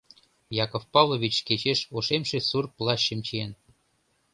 Яков Павлович кечеш ошемше сур плащым чиен.